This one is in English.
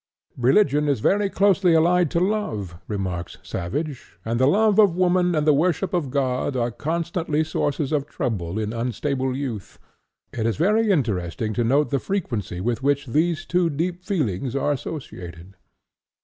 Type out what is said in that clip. "Religion is very closely allied to love," remarks Savage, "and the love of woman and the worship of God are constantly sources of trouble in unstable youth; it is very interesting to note the frequency with which these two deep feelings are associated."